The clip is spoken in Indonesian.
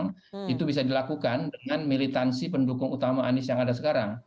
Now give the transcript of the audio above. jadi ini bisa dilakukan dengan militansi pendukung utama anies yang ada sekarang